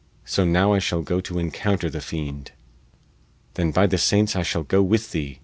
So now I shall go to encounter the fiend!" "Then by the saints I shall go with thee!"